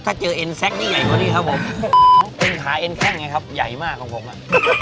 ถ้าเจอเอ็นแซคยิ่งใหญ่กว่านี้ครับผมเอ็นขาเอ็นแข้งไงครับใหญ่มากของผมอ่ะ